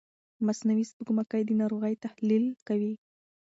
مصنوعي سپوږمکۍ د ناروغۍ تحلیل کوي.